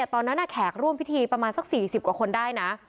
ตอนนั้นแขกร่วมพิธีประมาณสัก๔๐กว่าคนได้นะ